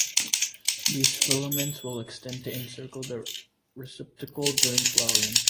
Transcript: These filaments will extend to encircle the receptacle during flowering.